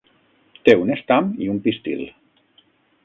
Té un estam i un pistil.